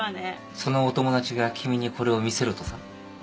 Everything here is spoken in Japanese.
そのお友達が君にこれを見せろとさ。